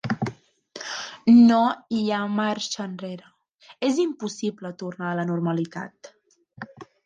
No hi ha marxa enrere, és impossible tornar a la normalitat.